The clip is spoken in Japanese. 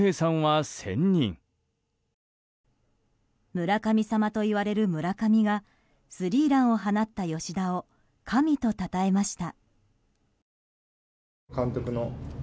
村神様といわれる村上がスリーランを放った吉田を神とたたえました。